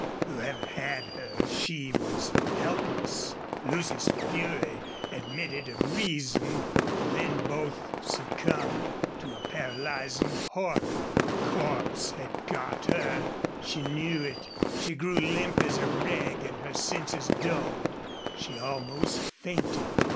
Whoever had her, she was helpless. Lucy's fury admitted of reason. Then both succumbed to a paralyzing horror. Cordts had got her! She knew it. She grew limp as a rag and her senses dulled. She almost fainted.